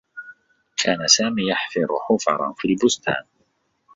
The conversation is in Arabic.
كان سامي يحفر حفرا في البستان.